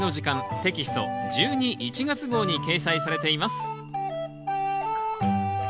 テキスト１２・１月号に掲載されています。